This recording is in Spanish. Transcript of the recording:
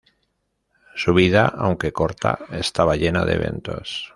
Su vida, aunque corta estaba llena de eventos.